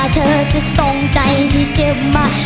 ที่เดิว